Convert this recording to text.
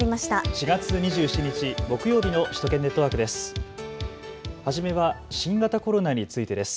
４月２７日木曜日の首都圏ネットワークです。